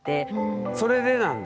それでなんだ。